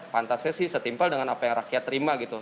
pantasnya sih setimpal dengan apa yang rakyat terima gitu